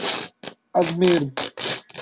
Ez mêr im.